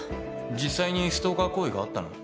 実際にストーカー行為があったの？